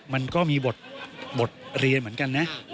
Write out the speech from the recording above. มันก็มีบทเรียนเหมือนกันนะ